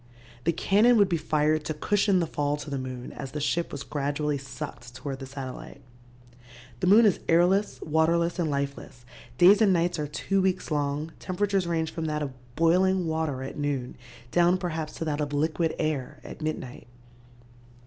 The cannon would be fired to cushion the fall to the moon as the ship was gradually sucked toward the satellite. "The moon is airless, waterless and lifeless, days and nights are two weeks long, temperatures range from that of boiling water at noon down perhaps to that of liquid air at midnight.